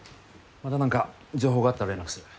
また何か情報があったら連絡する。